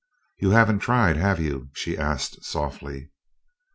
"You haven't tried, have you?" she asked softly.